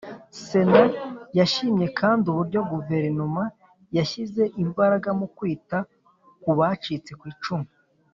Sena yashimye kandi uburyo Guverinoma yashyize imbaraga mu kwita ku bacitse ku icumu